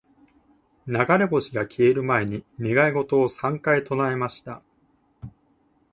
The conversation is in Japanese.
•流れ星が消える前に、願い事を三回唱えました。